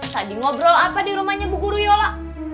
tadi ngobrol apa di rumahnya bu guru yola